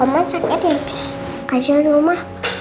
omah sakit ya dikasihkan rumah